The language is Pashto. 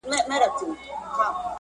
نه یوازي دوی خپله لاره غلطه کړه